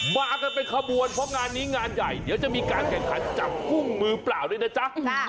มากันเป็นขบวนเพราะงานนี้งานใหญ่เดี๋ยวจะมีการแข่งขันจับกุ้งมือเปล่าด้วยนะจ๊ะ